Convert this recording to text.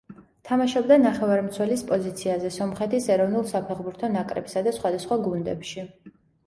თამაშობდა ნახევარმცველის პოზიციაზე სომხეთის ეროვნულ საფეხბურთო ნაკრებსა და სხვადასხვა გუნდებში.